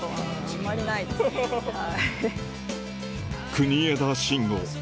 国枝慎吾